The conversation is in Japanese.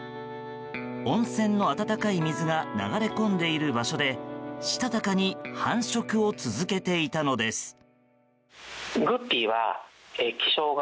温泉の温かい水が流れ込んでいる場所でしたたかに繁殖を続けていたのです。